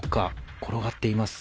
転がっています。